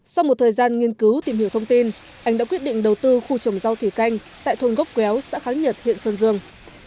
sau một thời gian nghiên cứu tìm hiểu thông tin anh đã quyết định đầu tư khu trồng rau thủy canh tại thôn gốc kéo xã kháng nhật huyện sơn dương